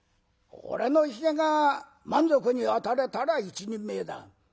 俺のひげが満足にあたれたら一人前だ。